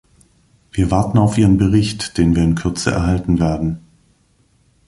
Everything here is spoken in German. Wir warten auf Ihren Bericht, den wir in Kürze erhalten werden.